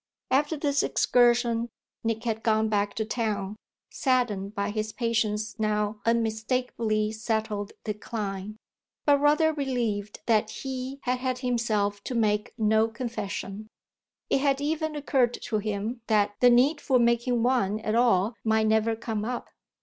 After this excursion Nick had gone back to town saddened by his patient's now unmistakably settled decline, but rather relieved that he had had himself to make no confession. It had even occurred to him that the need for making one at all might never come up.